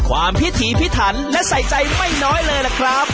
พิถีพิถันและใส่ใจไม่น้อยเลยล่ะครับ